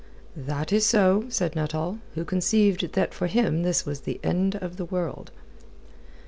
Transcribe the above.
"That is so," said Nuttall, who conceived that for him this was the end of the world.